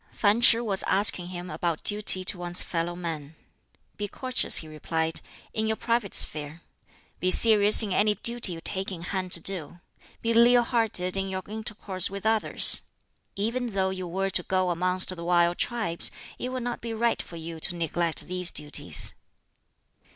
Fan Ch'i was asking him about duty to one's fellow men. "Be courteous," he replied, "in your private sphere; be serious in any duty you take in hand to do; be leal hearted in your intercourse with others. Even though you were to go amongst the wild tribes, it would not be right for you to neglect these duties."